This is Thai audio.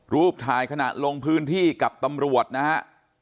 รูปถ่ายขณะลงพื้นที่กับตำรวจนะฮะ